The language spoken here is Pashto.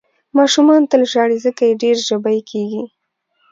ماشومان تل ژاړي، ځکه یې ډېر ژبۍ کېږي.